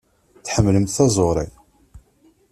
Tḥemmlemt taẓuṛi?